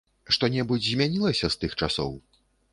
Што-небудзь змянілася з тых часоў?